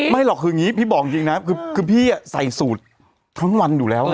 หรอกคืออย่างนี้พี่บอกจริงนะคือพี่ใส่สูตรทั้งวันอยู่แล้ว